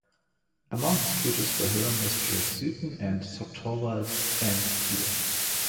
Among his tutors were Hieronymus Georg Zeuthen and Thorvald N. Thiele.